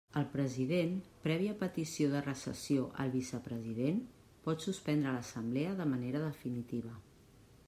El president, prèvia petició de recessió al vicepresident, pot suspendre l'Assemblea de manera definitiva.